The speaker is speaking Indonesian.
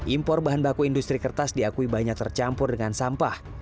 impor bahan baku industri kertas diakui banyak tercampur dengan sampah